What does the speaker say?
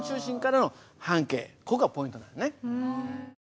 ここがポイントなんだね。